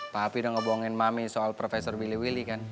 papi udah ngebohongin mami soal profesor biliwili kan